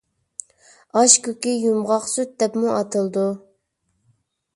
ئاشكۆكى «يۇمغاقسۈت» دەپمۇ ئاتىلىدۇ.